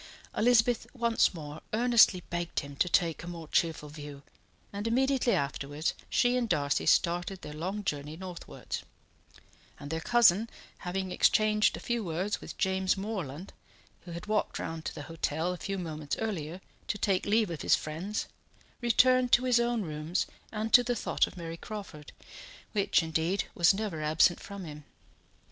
Elizabeth once more earnestly begged him to take a more cheerful view, and immediately afterwards she and Darcy started their long journey northwards; and their cousin, having exchanged a few words with James Morland, who had walked round to the hotel a few moments earlier to take leave of his friends, returned to his own rooms and to the thought of Mary Crawford, which, indeed, was never absent from him.